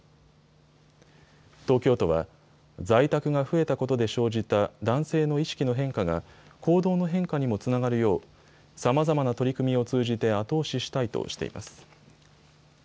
東京都は在宅が増えたことで生じた男性の意識の変化が行動の変化にもつながるようさまざまな取り組みを通じて後押ししたいとしています。